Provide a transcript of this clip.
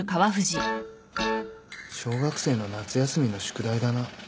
小学生の夏休みの宿題だな。